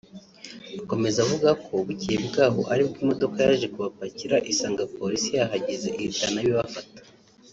Akomeza avuga ko bukeye bw’aho ari bwo imodoka yaje kurupakira isanga polisi yahageze ihita na bo ibafata